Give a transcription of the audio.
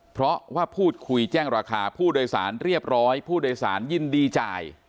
เพราะว่าพูดคุยแจ้งราคาผู้โดยสารเรียบร้อยผู้โดยสารยินดีจ่าย